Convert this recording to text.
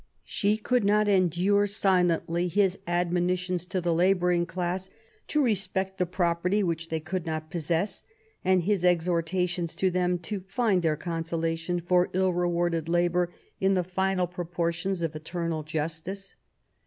She could not endure silently his admonitions to the labouring class to respect the property which they could not possess, and hi» exhortations to them to find their consolation for ilU rewarded labour in the ''final proportions of eternal justice.''